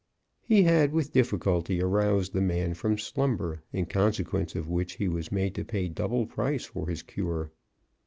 He had with difficulty aroused the man from slumber, in consequence of which he was made to pay double price for his cure.